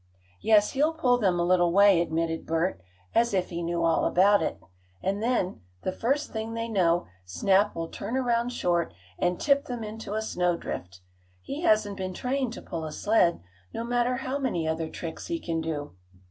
"Yes, he'll pull them a little way," admitted Bert, as if he knew all about it, "and then, the first thing they know, Snap will turn around short and tip them into a snowdrift. He hasn't been trained to pull a sled, no matter how many other tricks he can do."